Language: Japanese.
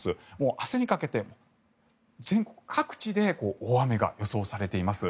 明日にかけて全国各地で大雨が予想されています。